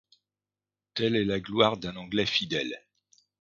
Telle est la gloire d’un anglais fidèle.